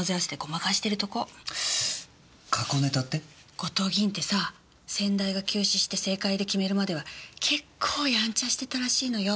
後藤議員ってさ先代が急死して政界入り決めるまでは結構やんちゃしてたらしいのよ。